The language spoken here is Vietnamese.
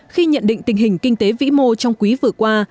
khi nhận định tình hình kinh tế vĩ mô trong quý vừa qua